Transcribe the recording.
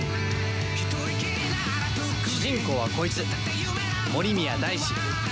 主人公はこいつ森宮大志。